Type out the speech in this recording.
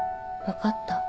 分かったよ